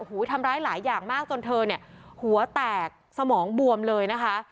ทำร้ายหลายอย่างมากจนเธอเนี่ยหัวแตกสมองบวมเลยนะคะ